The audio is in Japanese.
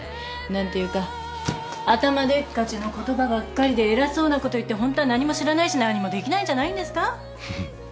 何ていうか頭でっかちの言葉ばっかりで偉そうなこと言ってホントは何も知らないし何にもできないんじゃないですか？